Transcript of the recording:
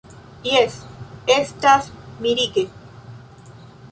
Jes, estas mirige.